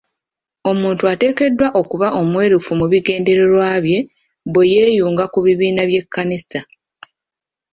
Omuntu ateekeddwa okuba omwerufu mu bigendererwa bye bwe yeeyunga ku bibiina by'ekkanisa.